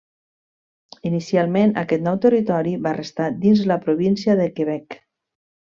Inicialment aquest nou territori va restar dins la província de Quebec.